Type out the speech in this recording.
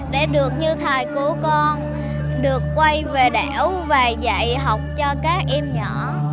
để được như thầy của con được quay về đảo và dạy học cho các em nhỏ